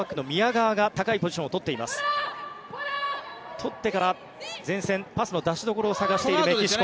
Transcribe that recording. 取ってから前線、パスの出しどころを探しているメキシコ。